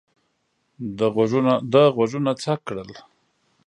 ده غوږونه څک کړل.